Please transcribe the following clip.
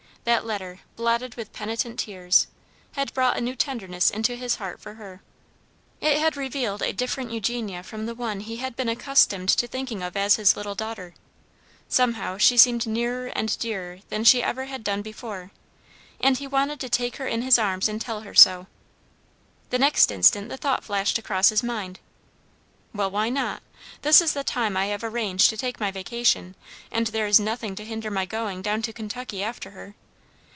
That letter, blotted with penitent tears, had brought a new tenderness into his heart for her. It had revealed a different Eugenia from the one he had been accustomed to thinking of as his little daughter. Somehow she seemed nearer and dearer than she had ever done before, and he wanted to take her in his arms and tell her so. The next instant the thought flashed across his mind, "Well, why not? This is the time I have arranged to take my vacation, and there is nothing to hinder my going down to Kentucky after her.